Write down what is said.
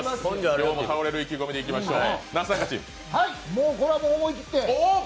今日も倒れる意気込みでいきましょう。